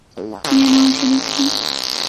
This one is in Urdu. میاں نواز شریف کی۔